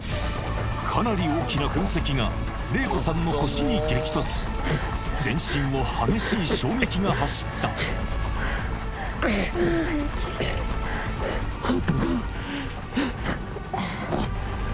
かなり大きな噴石が玲子さんの腰に激突全身を激しい衝撃が走ったもう平気ホントか？